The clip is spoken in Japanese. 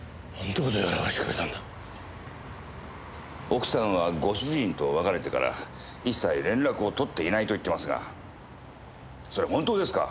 奥さんはご主人と別れてから一切連絡を取っていないと言っていますがそれ本当ですか？